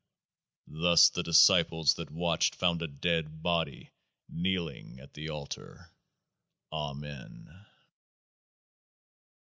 Thus the disciples that watched found a dead body kneeling at the altar. Amen